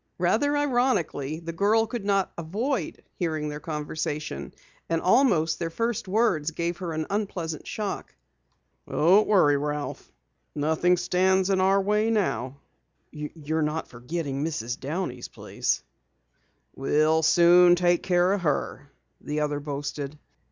Rather ironically, the girl could not avoid hearing their conversation, and almost their first words gave her an unpleasant shock. "Don't worry, Ralph," said the stout one. "Nothing stands in our way now." "You're not forgetting Mrs. Downey's place?" "We'll soon take care of her," the other boasted.